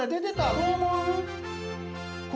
どう思う？